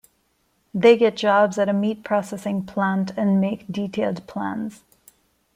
They get jobs at a meat processing plant and make detailed plans.